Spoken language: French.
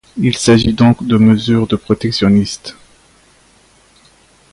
Il s'agit donc de mesures protectionnistes.